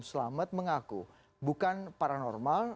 selamat mengaku bukan paranormal